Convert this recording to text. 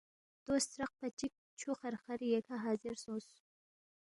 دو سترقپا چِک چھُو خرخرمو ییکھہ حاضر سونگس